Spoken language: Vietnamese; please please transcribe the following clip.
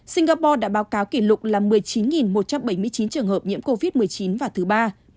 singapore đã báo cáo kỷ lục là một mươi chín một trăm bảy mươi chín trường hợp nhiễm covid một mươi chín và thứ ba